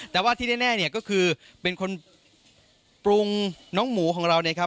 แต่ว่าที่แน่ก็คือเป็นคนปรุงน้องหมูของเรา